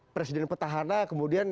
presiden petahana kemudian